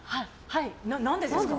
何でですか？